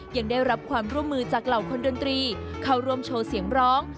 ยังได้รับความร่วมมือจากเหล่าคนดนตรีเข้าร่วมโชว์เสียงร้อง